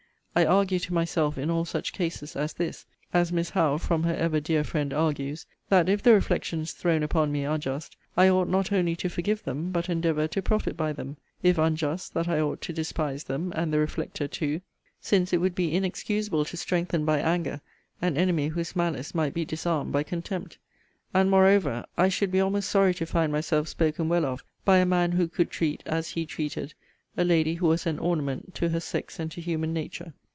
I argue to myself, in all such cases as this, as Miss Howe, from her ever dear friend, argues, That if the reflections thrown upon me are just, I ought not only to forgive them, but endeavour to profit by them; if unjust, that I ought to despise them, and the reflector too, since it would be inexcusable to strengthen by anger an enemy whose malice might be disarmed by contempt. And, moreover, I should be almost sorry to find myself spoken well of by a man who could treat, as he treated, a lady who was an ornament to her sex and to human nature.